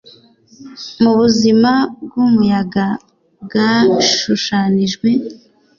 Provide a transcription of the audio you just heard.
Mubuzima bwumuyaga byashushanijwe